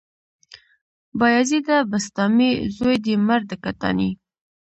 بايزيده بسطامي، زوى دې مړ د کتاني